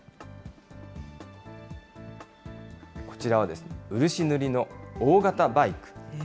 こちらは、漆塗りの大型バイク。